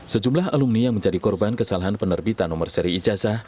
sejumlah alumni yang menjadi korban kesalahan penerbitan nomor seri ijazah